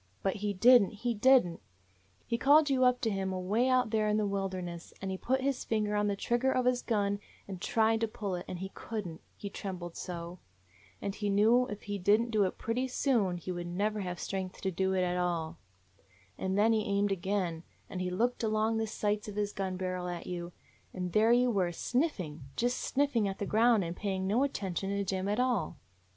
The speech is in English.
* But he did n't; he did n't! He called you up to him away out there in the wilderness, and he put his finger on the trigger of his gun, and tried to pull it ; and he could n't, he trembled so. And he knew if he did n't do it pretty soon he would never have strength to do it at all. "And then he aimed again, and he looked along the sights on his gun barrel at you ; and 209 DOG HEROES OF MANY LANDS there you were, sniffing, just sniffing at the ground, and paying no attention to Jim at all.